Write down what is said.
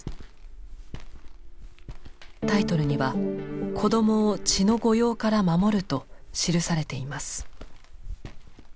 タイトルには「子供を血の誤用から守る」と記されています。